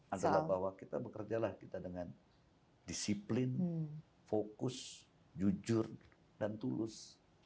adalah bahwa kita bekerjalah kita dengan disiplin fokus jujur dan tulus